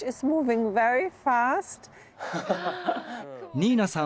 ニーナさん